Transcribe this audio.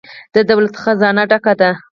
د دولت خزانه ډکه ده؟